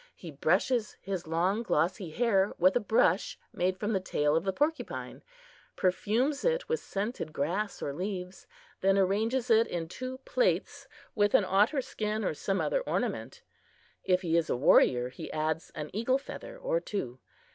He brushes his long, glossy hair with a brush made from the tail of the porcupine, perfumes it with scented grass or leaves, then arranges it in two plaits with an otter skin or some other ornament. If he is a warrior, he adds an eagle feather or two.